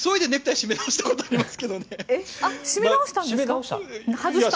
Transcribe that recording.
締め直したんですか？